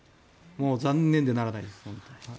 残念でならないですね。